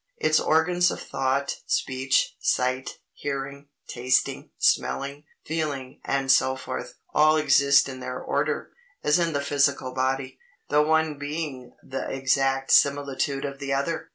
Its organs of thought, speech, sight, hearing, tasting, smelling, feeling, &c., all exist in their order, as in the physical body; the one being the exact similitude of the other.